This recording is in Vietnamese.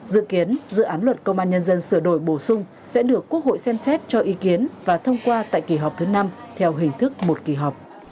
dự kiến dự án luật công an nhân dân sửa đổi bổ sung sẽ được quốc hội xem xét cho ý kiến và thông qua tại kỳ họp thứ năm theo hình thức một kỳ họp